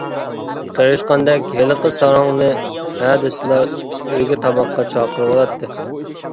قېرىشقاندەك ھېلىقى ساراڭنى ھە دېسىلا ئۆيگە تاماققا چاقىرىۋالاتتى.